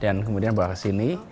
dan kemudian dibawa kesini